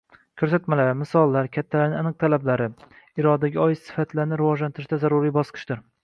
Ko‘rsatmalar, misollar, kattalarning aniq talablari – irodaga oid sifatlarni rivojlantirishda zaruriy bosqichdir